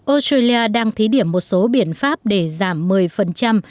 australia đang thí điểm một số biện pháp để giảm một mươi phần trăm